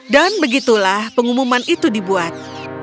dan begitulah pengumuman itu dibuat